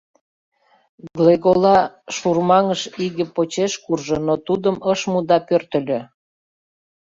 Глегола шурмаҥыш иге почеш куржо, но тудым ыш му да пӧртыльӧ.